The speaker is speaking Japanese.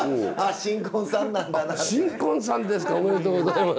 新婚さんですかおめでとうございます。